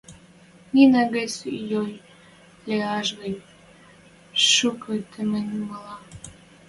Нинӹ гӹц йой лиӓш гӹнь, шукы тыменьмӹлӓ.